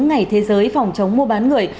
ngày thế giới phòng chống mua bán người